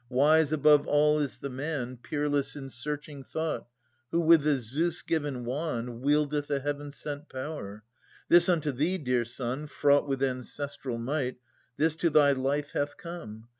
Wise above all is the man, Peerless in searching thought. Who with the Zeus given wand Wieldeth a Heaven sent power. This unto thee, dear son. Fraught with ancestral might, This to thy life hath come.